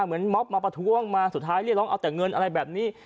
ม็อบมาประท้วงมาสุดท้ายเรียกร้องเอาแต่เงินอะไรแบบนี้